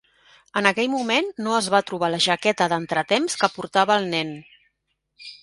En aquell moment no es va trobar la jaqueta d"entretemps que portava el nen.